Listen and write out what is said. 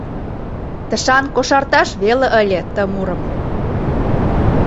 Тышан кошарташ веле ыле ты мурым.